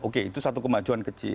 oke itu satu kemajuan kecil